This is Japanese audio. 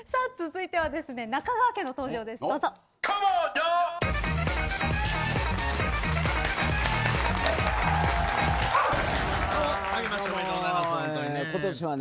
続いては中川家の登場です。